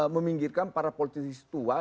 meminggirkan para politik tua